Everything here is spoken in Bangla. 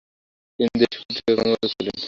তিনি দেশ পত্রিকায় কর্মরত ছিলেন।